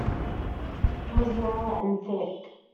It was long and thick.